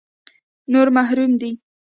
نور محروم دي.